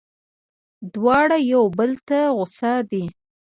دواړه یو بل ته غوسه دي.